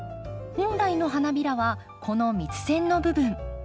本来の花びらはこの蜜腺の部分。